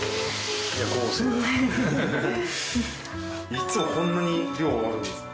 いつもこんなに量あるんですか？